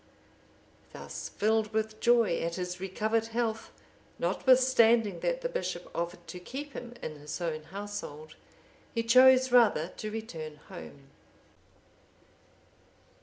Thus filled with joy at his recovered health, notwithstanding that the bishop offered to keep him in his own household, he chose rather to return home.